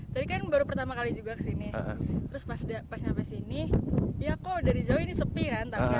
terus pas nyampe sini ya kok dari jauh ini sepi kan